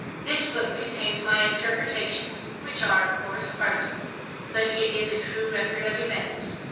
This book contains my interpretations, which are of course arguable. But it is a true record of events.